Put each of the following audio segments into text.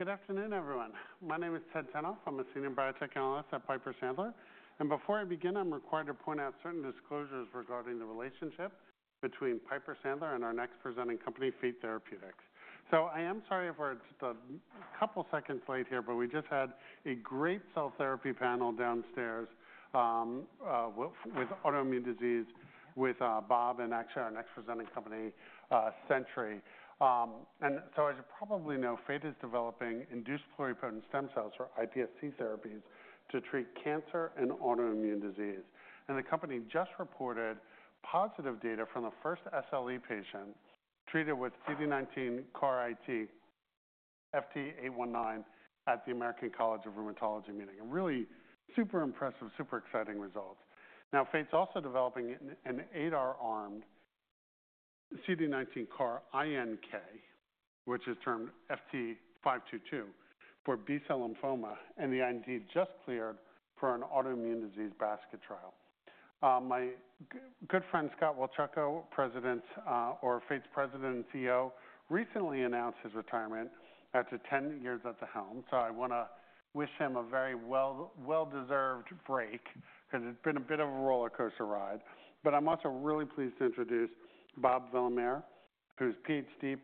Good afternoon, everyone. My name is Ted Tenthoff. I'm a senior biotech analyst at Piper Sandler. And before I begin, I'm required to point out certain disclosures regarding the relationship between Piper Sandler and our next presenting company, Fate Therapeutics. So I am sorry if we're just a couple seconds late here, but we just had a great cell therapy panel downstairs with autoimmune disease with Bob and actually our next presenting company, Century. And so as you probably know, Fate is developing induced pluripotent stem cells for iPSC therapies to treat cancer and autoimmune disease. And the company just reported positive data from the first SLE patient treated with CD19 CAR T FT819 at the American College of Rheumatology meeting. Really super impressive, super exciting results. Now, Fate's also developing an ADR-armed CD19 CAR NK, which is termed FT522 for B-cell lymphoma. And the IND just cleared for an autoimmune disease basket trial. My good friend Scott Wolchko, Fate's President and CEO, recently announced his retirement after 10 years at the helm. So I want to wish him a very well-deserved break because it's been a bit of a roller coaster ride. But I'm also really pleased to introduce Bob Valamehr, who's PhD,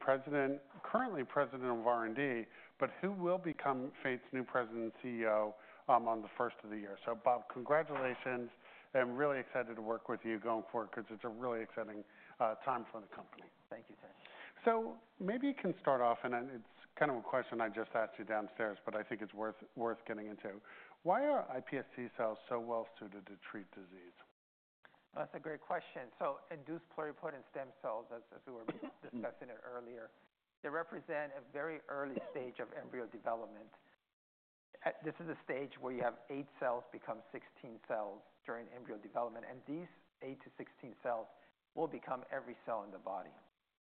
currently President of R&D, but who will become Fate's new President and CEO on the first of the year. So Bob, congratulations. And I'm really excited to work with you going forward because it's a really exciting time for the company. Thank you, Ted. So maybe you can start off, and it's kind of a question I just asked you downstairs, but I think it's worth getting into. Why are iPSC cells so well suited to treat disease? That's a great question, so induced pluripotent stem cells, as we were discussing it earlier, they represent a very early stage of embryo development. This is a stage where you have eight cells become 16 cells during embryo development, and these eight to 16 cells will become every cell in the body,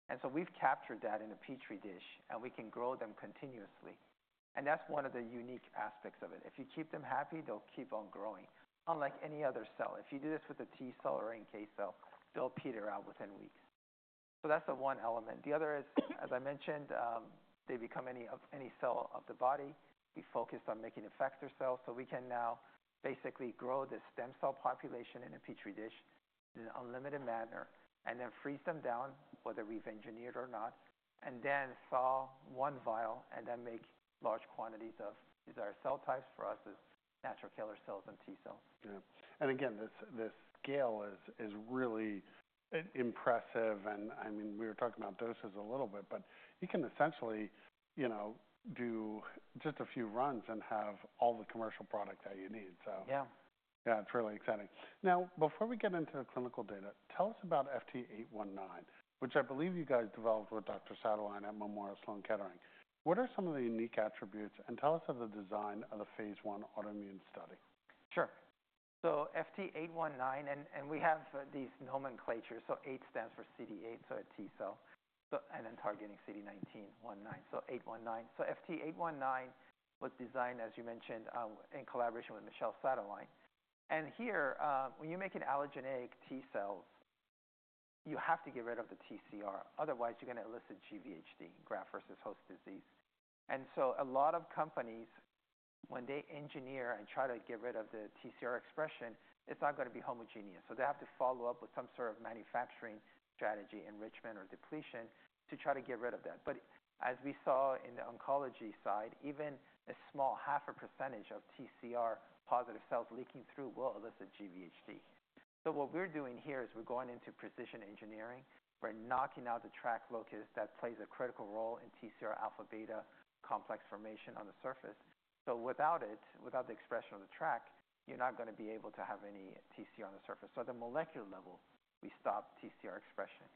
and so we've captured that in a Petri dish, and we can grow them continuously, and that's one of the unique aspects of it. If you keep them happy, they'll keep on growing, unlike any other cell. If you do this with a T cell or NK cell, they'll peter out within weeks, so that's the one element. The other is, as I mentioned, they become any cell of the body. We focused on making effector cells. So we can now basically grow this stem cell population in a Petri dish in an unlimited manner and then freeze them down, whether we've engineered or not, and then thaw one vial and then make large quantities of these iPSC cell types for use as natural killer cells and T cells. Yeah. And again, the scale is really impressive. And I mean, we were talking about doses a little bit, but you can essentially do just a few runs and have all the commercial product that you need. So yeah, it's really exciting. Now, before we get into the clinical data, tell us about FT819, which I believe you guys developed with Dr. Sadelain at Memorial Sloan Kettering. What are some of the unique attributes? And tell us of the design of the phase 1 autoimmune study. Sure, so FT819, and we have these nomenclatures. So eight stands for CD8, so a T cell, and then targeting CD19, one nine, so eight one nine. So FT819 was designed, as you mentioned, in collaboration with Michel Sadelain. And here, when you make an allogeneic T cells, you have to get rid of the TCR. Otherwise, you're going to elicit GVHD, graft-versus-host disease. And so a lot of companies, when they engineer and try to get rid of the TCR expression, it's not going to be homogeneous. So they have to follow up with some sort of manufacturing strategy, enrichment or depletion to try to get rid of that. But as we saw in the oncology side, even a small 0.5% of TCR positive cells leaking through will elicit GVHD. So what we're doing here is we're going into precision engineering. We're knocking out the TRAC locus that plays a critical role in TCR alpha beta complex formation on the surface. So without it, without the expression of the TRAC, you're not going to be able to have any TCR on the surface. So at the molecular level, we stop TCR expression.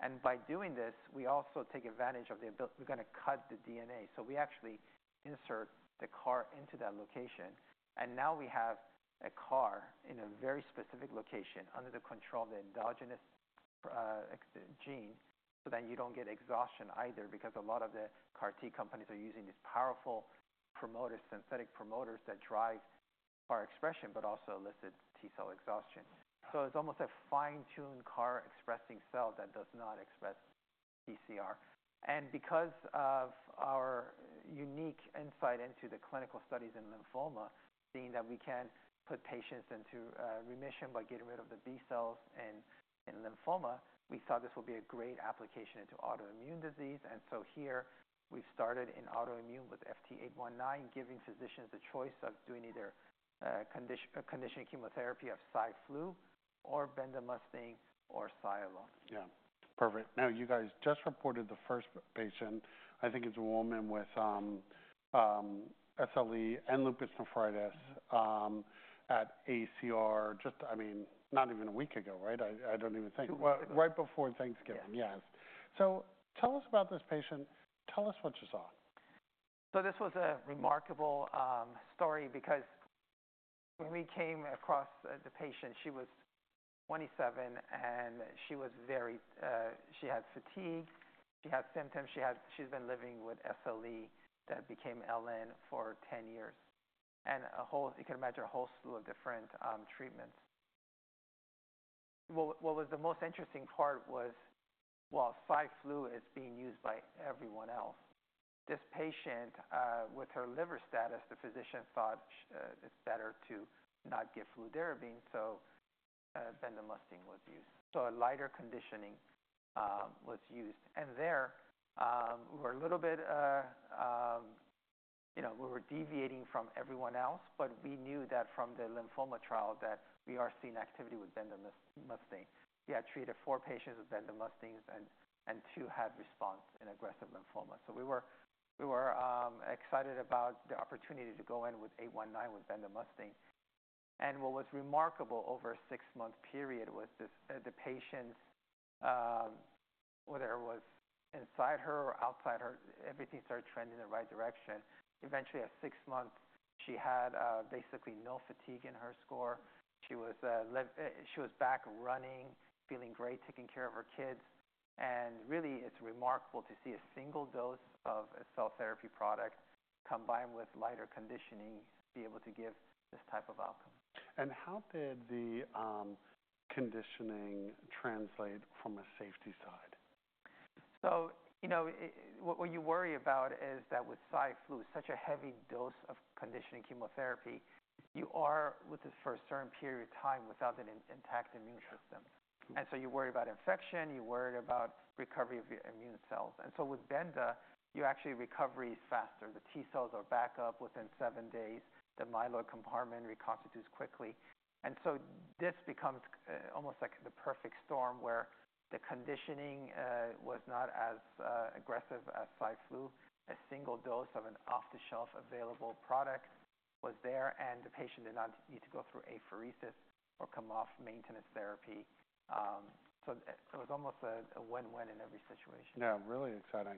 And by doing this, we also take advantage of the ability we're going to cut the DNA. So we actually insert the CAR into that location. And now we have a CAR in a very specific location under the control of the endogenous gene so that you don't get exhaustion either because a lot of the CAR T companies are using these powerful synthetic promoters that drive CAR expression, but also elicit T cell exhaustion. So it's almost a fine-tuned CAR expressing cell that does not express TCR. And because of our unique insight into the clinical studies in lymphoma, seeing that we can put patients into remission by getting rid of the B cells in lymphoma, we thought this would be a great application into autoimmune disease. And so here, we've started in autoimmune with FT819, giving physicians the choice of doing either conditioning chemotherapy of Cy/Flu or bendamustine or Cy/Flu. Yeah. Perfect. Now, you guys just reported the first patient. I think it's a woman with SLE and lupus nephritis at ACR, just, I mean, not even a week ago, right? I don't even think. Right before Thanksgiving, yes. So tell us about this patient. Tell us what you saw. This was a remarkable story because when we came across the patient, she was 27, and she was very—she had fatigue. She had symptoms. She's been living with SLE that became LN for 10 years. And you can imagine a whole slew of different treatments. What was the most interesting part was, while Cy/Flu is being used by everyone else, this patient, with her liver status, the physician thought it's better to not give fludarabine. So bendamustine was used. So a lighter conditioning was used. And there, we were a little bit—we were deviating from everyone else, but we knew that from the lymphoma trial that we are seeing activity with bendamustine. We had treated four patients with bendamustine, and two had response in aggressive lymphoma. So we were excited about the opportunity to go in with 819 with bendamustine. What was remarkable over a six-month period was the patients, whether it was inside her or outside her, everything started trending in the right direction. Eventually, at six months, she had basically no fatigue in her score. She was back running, feeling great, taking care of her kids. Really, it's remarkable to see a single dose of a cell therapy product combined with lighter conditioning be able to give this type of outcome. How did the conditioning translate from a safety side? So what you worry about is that with Cy/Flu, such a heavy dose of conditioning chemotherapy, you are with this for a certain period of time without an intact immune system. And so you worry about infection. You worry about recovery of your immune cells. And so with bendamustine, you actually recovery is faster. The T cells are back up within seven days. The myeloid compartment reconstitutes quickly. And so this becomes almost like the perfect storm where the conditioning was not as aggressive as Cy/Flu. A single dose of an off-the-shelf available product was there, and the patient did not need to go through apheresis or come off maintenance therapy. So it was almost a win-win in every situation. Yeah, really exciting.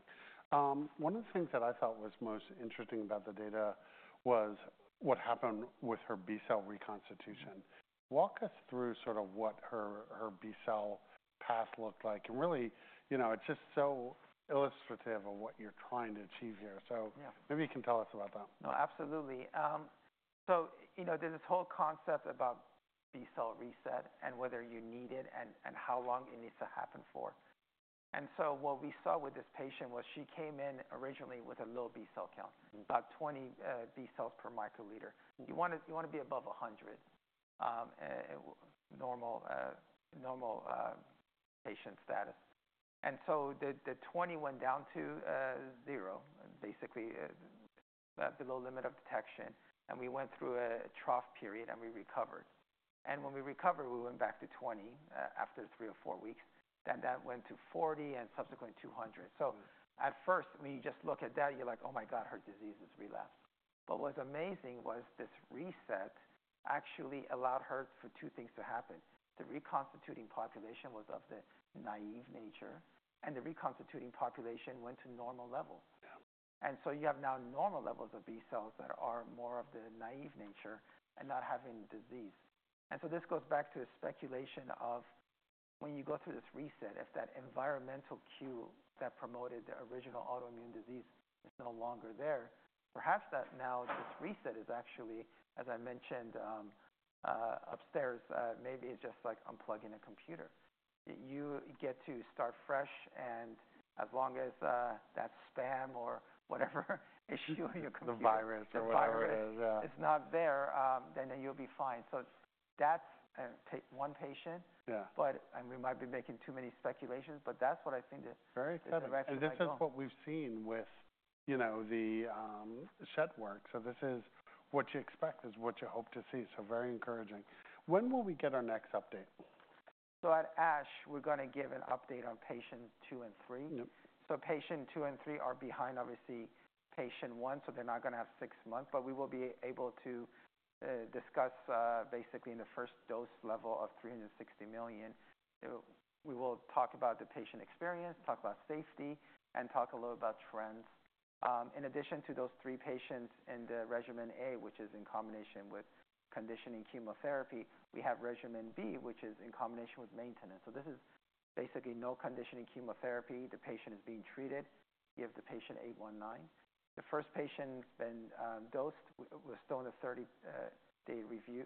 One of the things that I thought was most interesting about the data was what happened with her B cell reconstitution. Walk us through sort of what her B cell path looked like, and really, it's just so illustrative of what you're trying to achieve here, so maybe you can tell us about that. No, absolutely. So there's this whole concept about B cell reset and whether you need it and how long it needs to happen for. And so what we saw with this patient was she came in originally with a low B cell count, about 20 B cells per microliter. You want to be above 100, normal patient status. And so the 20 went down to zero, basically below limit of detection. And we went through a trough period, and we recovered. And when we recovered, we went back to 20 after three or four weeks. Then that went to 40 and subsequently 200. So at first, when you just look at that, you're like, "Oh my God, her disease has relapsed." But what was amazing was this reset actually allowed her for two things to happen. The reconstituting population was of the naive nature, and the reconstituting population went to normal levels, and so you have now normal levels of B cells that are more of the naive nature and not having the disease, and so this goes back to a speculation of when you go through this reset, if that environmental cue that promoted the original autoimmune disease is no longer there, perhaps that now this reset is actually, as I mentioned upstairs, maybe it's just like unplugging a computer. You get to start fresh, and as long as that spam or whatever issue in your computer, the virus, it's not there, then you'll be fine, so that's one patient, but we might be making too many speculations, but that's what I think the. Very exciting. And this is what we've seen with the Schett work. So this is what you expect is what you hope to see. So very encouraging. When will we get our next update? At ASH, we're going to give an update on patient two and three. Patient two and three are behind, obviously, patient one, so they're not going to have six months. But we will be able to discuss basically in the first dose level of 360 million. We will talk about the patient experience, talk about safety, and talk a little about trends. In addition to those three patients in the regimen A, which is in combination with conditioning chemotherapy, we have regimen B, which is in combination with maintenance. This is basically no conditioning chemotherapy. The patient is being treated. You have the FT819. The first patient then dosed was still in the 30-day review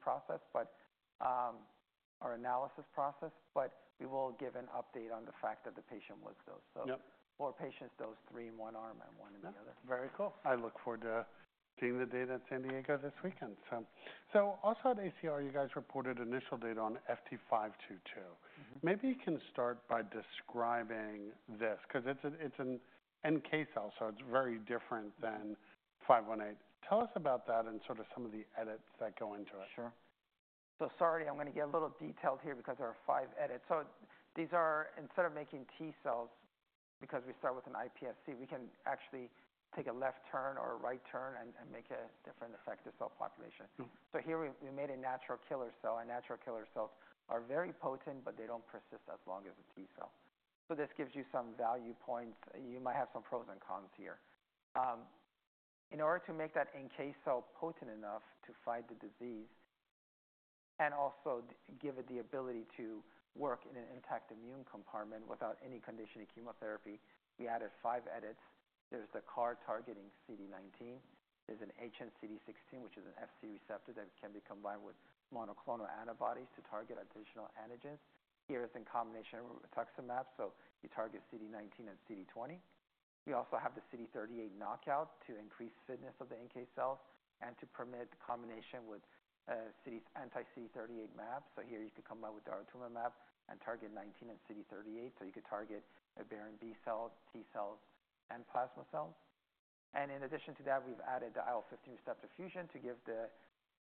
process or analysis process, but we will give an update on the fact that the patient was dosed. Four patients dosed three in one arm and one in the other. Very cool. I look forward to seeing the data in San Diego this weekend. So also at ACR, you guys reported initial data on FT522. Maybe you can start by describing this because it's an NK cell, so it's very different than FT819. Tell us about that and sort of some of the edits that go into it. Sure. So sorry, I'm going to get a little detailed here because there are five edits. So these are, instead of making T cells because we start with an iPSC, we can actually take a left turn or a right turn and make a different effector cell population. So here we made a natural killer cell. And natural killer cells are very potent, but they don't persist as long as a T cell. So this gives you some value points. You might have some pros and cons here. In order to make that NK cell potent enough to fight the disease and also give it the ability to work in an intact immune compartment without any conditioning chemotherapy, we added five edits. There's the CAR targeting CD19. There's an hnCD16, which is an Fc receptor that can be combined with monoclonal antibodies to target additional antigens. Here it's in combination with rituximab, so you target CD19 and CD20. We also have the CD38 knockout to increase fitness of the NK cells and to permit combination with anti-CD38 mAb. So here you could come up with the daratumumab and target CD19 and CD38. So you could target an aberrant B cell, T cells, and plasma cells. And in addition to that, we've added the IL-15 receptor fusion to give the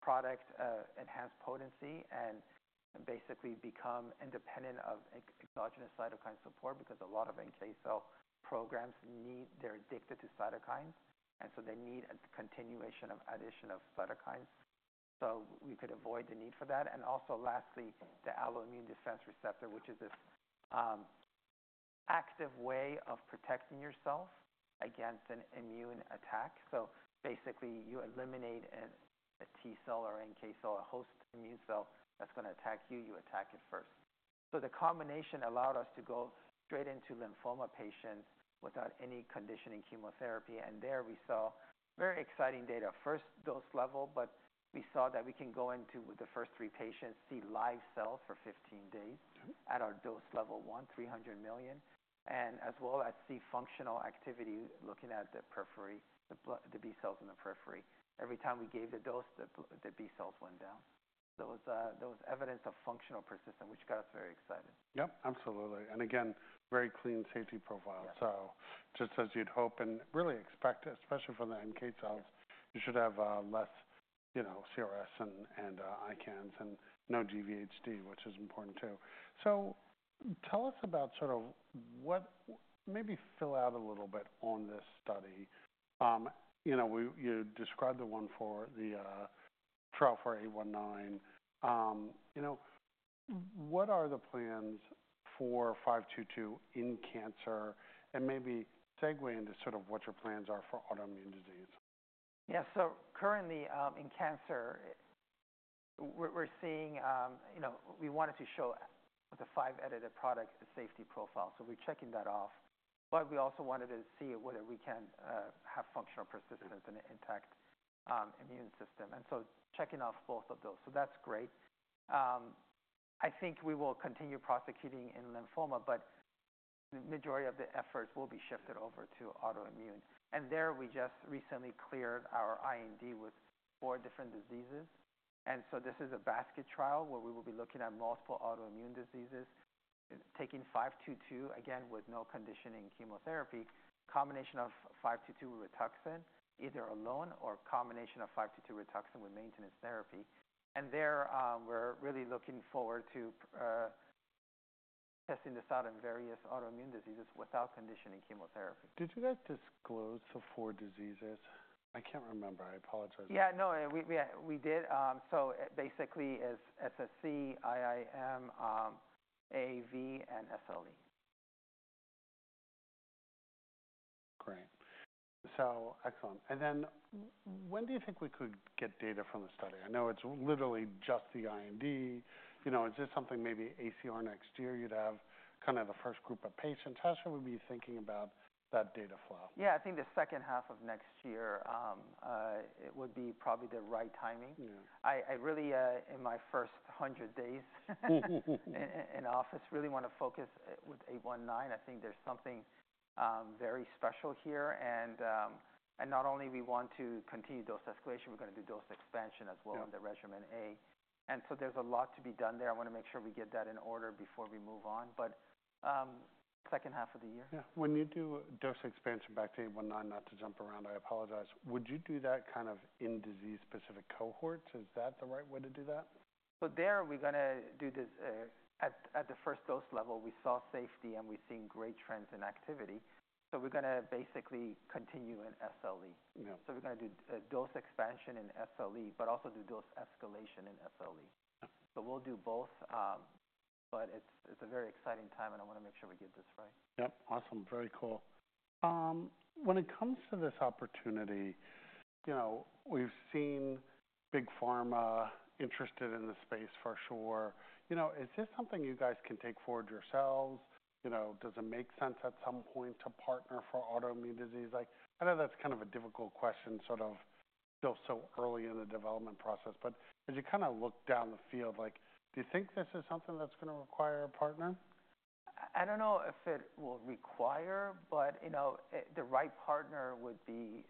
product enhanced potency and basically become independent of exogenous cytokine support because a lot of NK cell programs need, they're addicted to cytokines, and so they need a continuation of addition of cytokines. So we could avoid the need for that. And also lastly, the Allo-immune Defense Receptor, which is this active way of protecting yourself against an immune attack. So basically, you eliminate a T cell or NK cell, a host immune cell that's going to attack you. You attack it first. So the combination allowed us to go straight into lymphoma patients without any conditioning chemotherapy. And there we saw very exciting data. First dose level, but we saw that we can go into the first three patients, see live cells for 15 days at our dose level one, 300 million, and as well as see functional activity looking at the periphery, the B cells in the periphery. Every time we gave the dose, the B cells went down. So it was evidence of functional persistence, which got us very excited. Yep, absolutely. And again, very clean safety profile. So just as you'd hope and really expect, especially for the NK cells, you should have less CRS and ICANS and no GVHD, which is important too. So tell us about sort of what maybe fill out a little bit on this study? You described the one for the trial for 819. What are the plans for 522 in cancer? And maybe segue into sort of what your plans are for autoimmune disease. Yeah, so currently in cancer, we're seeing, we wanted to show the five-edited product safety profile, so we're checking that off, but we also wanted to see whether we can have functional persistence and intact immune system, and so checking off both of those, so that's great. I think we will continue pursuing in lymphoma, but the majority of the efforts will be shifted over to autoimmune, and there we just recently cleared our IND with four different diseases, and so this is a basket trial where we will be looking at multiple autoimmune diseases, taking 522, again, with no conditioning chemotherapy, combination of 522 rituximab, either alone or combination of 522 rituximab with maintenance therapy, and there we're really looking forward to testing this out in various autoimmune diseases without conditioning chemotherapy. Did you guys disclose the four diseases? I can't remember. I apologize. Yeah, no, we did. So basically as SSc, IIM, AAV, and SLE. Great. So excellent. And then when do you think we could get data from the study? I know it's literally just the IND. Is this something maybe ACR next year you'd have kind of the first group of patients? How should we be thinking about that data flow? Yeah, I think the second half of next year would be probably the right timing. I really, in my first 100 days in office, really want to focus with 819. I think there's something very special here. And not only do we want to continue dose escalation, we're going to do dose expansion as well in the regimen A. And so there's a lot to be done there. I want to make sure we get that in order before we move on. But second half of the year. Yeah. When you do dose expansion back to 819, not to jump around, I apologize. Would you do that kind of in disease-specific cohorts? Is that the right way to do that? So, we're going to do this at the first dose level. We saw safety, and we've seen great trends in activity. So, we're going to basically continue in SLE. So, we're going to do dose expansion in SLE, but also do dose escalation in SLE. So, we'll do both, but it's a very exciting time, and I want to make sure we get this right. Yep. Awesome. Very cool. When it comes to this opportunity, we've seen big pharma interested in the space for sure. Is this something you guys can take forward yourselves? Does it make sense at some point to partner for autoimmune disease? I know that's kind of a difficult question sort of still so early in the development process. But as you kind of look down the field, do you think this is something that's going to require a partner? I don't know if it will require, but the right partner would be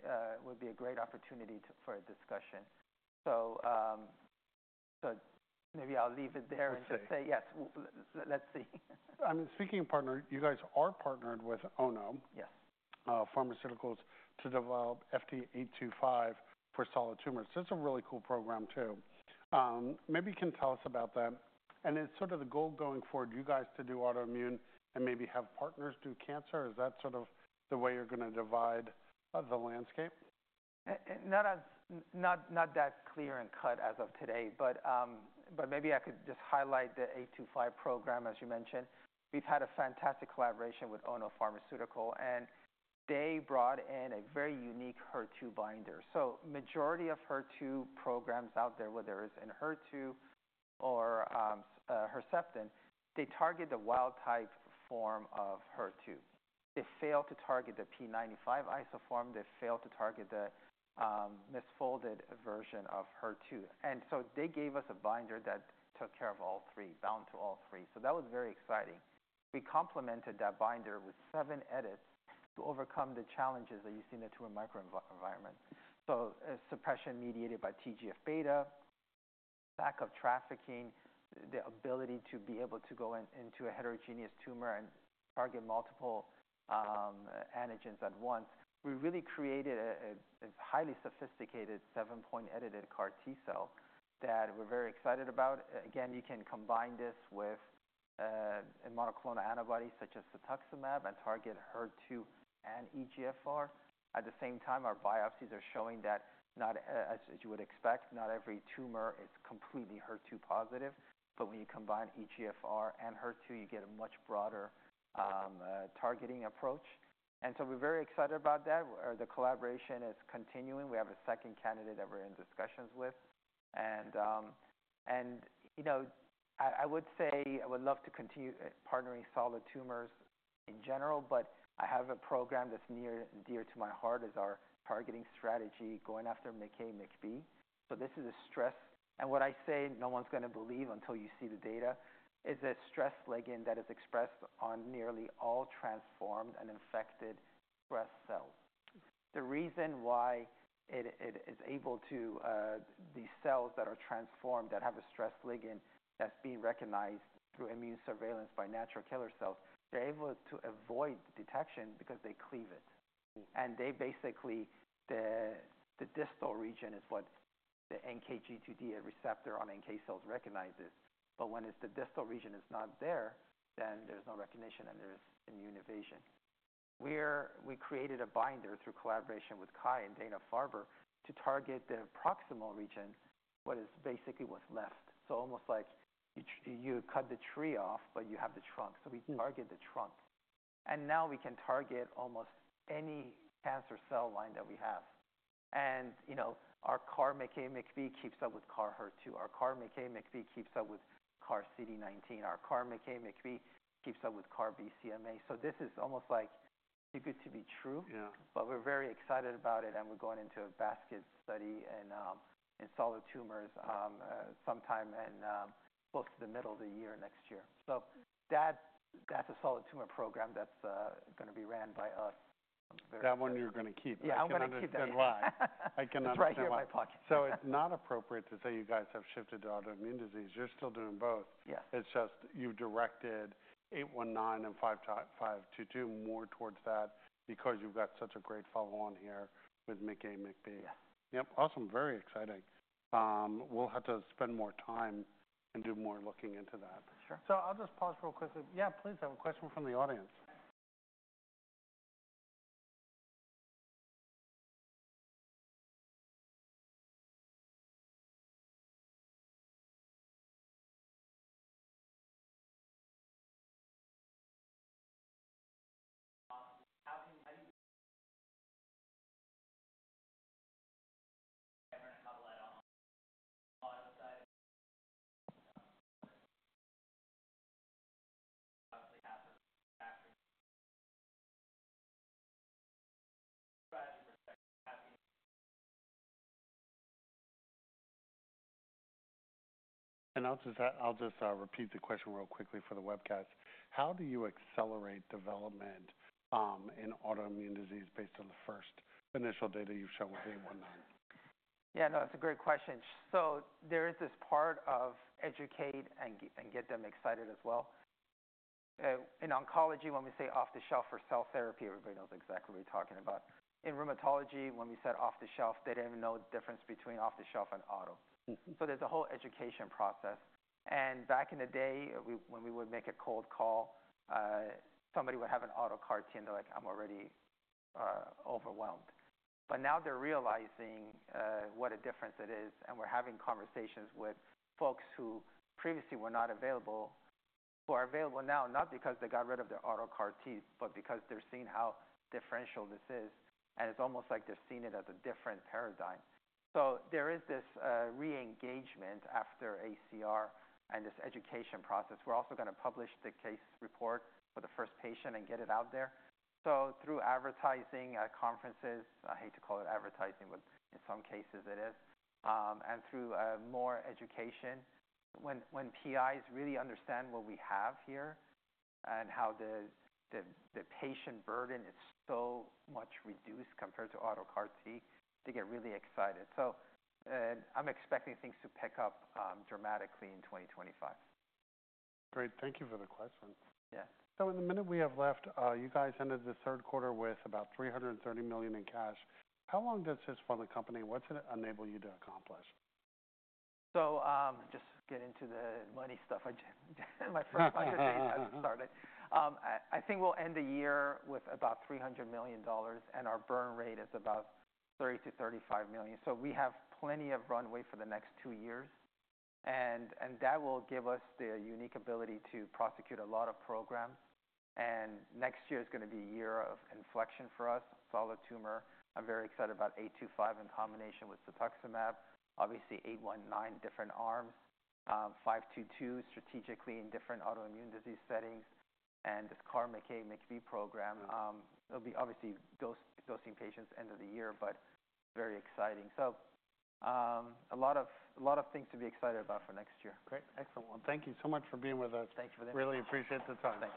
a great opportunity for a discussion. So maybe I'll leave it there and just say, "Yes, let's see. I mean, speaking of partners, you guys are partnered with Ono Pharmaceutical to develop FT825 for solid tumors. That's a really cool program too. Maybe you can tell us about that. And is sort of the goal going forward, you guys to do autoimmune and maybe have partners do cancer? Is that sort of the way you're going to divide the landscape? Not that clear-cut as of today, but maybe I could just highlight the 825 program, as you mentioned. We've had a fantastic collaboration with Ono Pharmaceutical, and they brought in a very unique HER2 binder. So the majority of HER2 programs out there, whether it's in HER2 or Herceptin, they target the wild-type form of HER2. They failed to target the p95 isoform. They failed to target the misfolded version of HER2. And so they gave us a binder that took care of all three, bound to all three. So that was very exciting. We complemented that binder with seven edits to overcome the challenges that you see in the tumor microenvironment. So suppression mediated by TGF-β, lack of trafficking, the ability to be able to go into a heterogeneous tumor and target multiple antigens at once. We really created a highly sophisticated seven-point edited CAR T cell that we're very excited about. Again, you can combine this with monoclonal antibodies such as rituximab and target HER2 and EGFR. At the same time, our biopsies are showing that, as you would expect, not every tumor is completely HER2 positive. But when you combine EGFR and HER2, you get a much broader targeting approach. And so we're very excited about that. The collaboration is continuing. We have a second candidate that we're in discussions with. And I would say I would love to continue partnering solid tumors in general, but I have a program that's near and dear to my heart as our targeting strategy, going after MICA/MICB. So this is a stress. What I say no one's going to believe until you see the data is a stress ligand that is expressed on nearly all transformed and infected breast cells. The reason why it is able to these cells that are transformed that have a stress ligand that's being recognized through immune surveillance by natural killer cells, they're able to avoid detection because they cleave it. And basically, the distal region is what the NKG2D receptor on NK cells recognizes. But when the distal region is not there, then there's no recognition, and there's immune evasion. We created a binder through collaboration with Kai and Dana-Farber to target the proximal region, what is basically what's left. So almost like you cut the tree off, but you have the trunk. So we target the trunk. And now we can target almost any cancer cell line that we have. Our CAR MICA/MICB keeps up with CAR HER2. Our CAR MICA/MICB keeps up with CAR CD19. Our CAR MICA/MICB keeps up with CAR BCMA. This is almost like too good to be true, but we're very excited about it, and we're going into a basket study in solid tumors sometime close to the middle of the year next year. That's a solid tumor program that's going to be run by us. That one you're going to keep. Yeah, I'm going to keep that. Then why? I cannot say. It's right there in my pocket. So it's not appropriate to say you guys have shifted to autoimmune disease. You're still doing both. It's just you directed 819 and 522 more towards that because you've got such a great follow-on here with MICA/MICB. Yep. Awesome. Very exciting. We'll have to spend more time and do more looking into that. Sure. I'll just pause real quickly. Yeah, please. I have a question from the audience. I'll just repeat the question real quickly for the webcast. How do you accelerate development in autoimmune disease based on the first initial data you've shown with FT819? Yeah, no, that's a great question. So there is this part of educate and get them excited as well. In oncology, when we say off-the-shelf or cell therapy, everybody knows exactly what we're talking about. In rheumatology, when we said off-the-shelf, they didn't know the difference between off-the-shelf and auto. So there's a whole education process. And back in the day, when we would make a cold call, somebody would have an auto CAR T, and they're like, "I'm already overwhelmed." But now they're realizing what a difference it is. And we're having conversations with folks who previously were not available who are available now, not because they got rid of their auto CAR T, but because they're seeing how differential this is. And it's almost like they're seeing it as a different paradigm. So there is this re-engagement after ACR and this education process. We're also going to publish the case report for the first patient and get it out there, so through advertising at conferences, I hate to call it advertising, but in some cases, it is, and through more education, when PIs really understand what we have here and how the patient burden is so much reduced compared to auto CAR T, they get really excited, so I'm expecting things to pick up dramatically in 2025. Great. Thank you for the question. So in the minute we have left, you guys ended the third quarter with about $330 million in cash. How long does this fund the company? What's it enable you to accomplish? So just getting to the money stuff. My first budget date hasn't started. I think we'll end the year with about $300 million, and our burn rate is about $30-$35 million. So we have plenty of runway for the next two years. And that will give us the unique ability to prosecute a lot of programs. And next year is going to be a year of inflection for us, solid tumor. I'm very excited about FT825 in combination with rituximab, obviously FT819, different arms, FT522 strategically in different autoimmune disease settings. And this CAR MICA/MICB program, it'll be obviously dosing patients end of the year, but very exciting. So a lot of things to be excited about for next year. Great. Excellent. Well, thank you so much for being with us. Thank you for the invitation. Really appreciate the time.